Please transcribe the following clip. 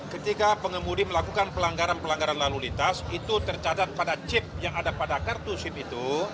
ketika pengemudi melakukan pelanggaran pelanggaran lalu lintas itu tercatat pada chip yang ada pada kartu sip itu